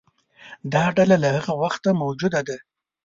دا ډله له هغه وخته موجوده ده.